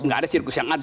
gak ada sirkus yang adil